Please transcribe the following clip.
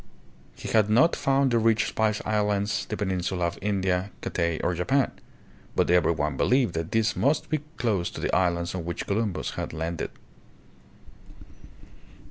He had not found the rich Spice Islands, the peninsula of India, Cathay or Japan, but every one be lieved that these must be close to the islands on which Columbus had landed.